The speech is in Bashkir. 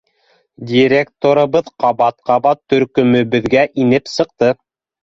Директорыбыҙ ҡабат-ҡабат төркөмөбөҙгә инеп сыҡты.